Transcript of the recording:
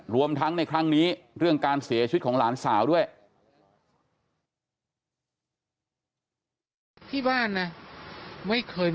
รวมทั้งในครั้งนี้เรื่องการเสียชีวิตของหลานสาวด้วย